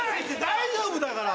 大丈夫だから！